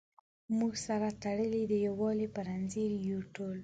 موږ سره تړلي د یووالي په زنځیر یو ټول.